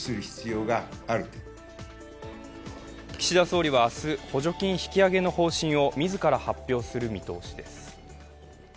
岸田総理は明日、補助金引き上げの方針を自ら発表する見通しです。